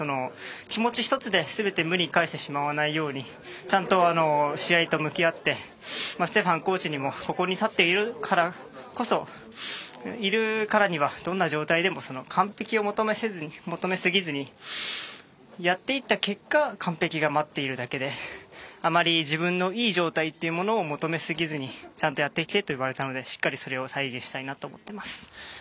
気持ち１つですべて無に返してしまわないようにちゃんと試合と向き合ってステファンコーチにもここに立っているからにはどんな状態でも完璧を求めすぎずにやっていった結果完璧が待っているだけであまり自分のいい状態を求めすぎずにちゃんとやってきてと言われたのでしっかりそれを体現したいと思っています。